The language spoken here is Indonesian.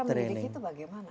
nah cara mendidik itu bagaimana